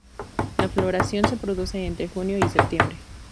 La floración se produce entre junio y septiembre.